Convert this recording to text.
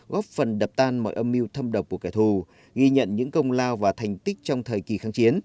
góp phần đập tan mọi âm mưu thâm độc của kẻ thù ghi nhận những công lao và thành tích trong thời kỳ kháng chiến